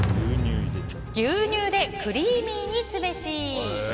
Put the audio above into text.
牛乳でクリーミーにすべし。